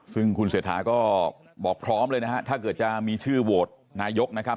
ซึ่งคุณเศรษฐาก็บอกพร้อมเลยนะฮะถ้าเกิดจะมีชื่อโหวตนายกนะครับ